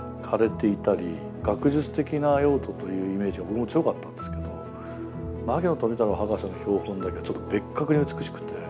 学術的な用途というイメージが僕も強かったんですけど牧野富太郎博士の標本だけちょっと別格に美しくて。